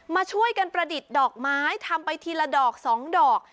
มาช่วยกันประดิษฐ์ดอกไม้ทำไปทีละดอก๒ดอก